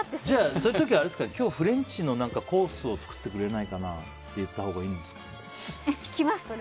そういう時はフレンチのコースを作ってくれないかなと言ったらいいんですか？